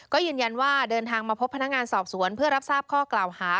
ก็ยืนยันว่าเดินทางมาพบพนักงานสอบสวนเพื่อรับทราบข้อกล่าวหา